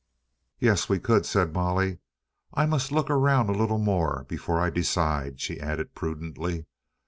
"Yes, we could," said Molly. "I must look round a little more before I decide," she added prudently.